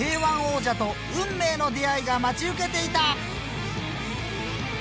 Ｋ−１王者と運命の出会いが待ち受けていた！